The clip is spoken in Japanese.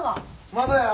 まだや。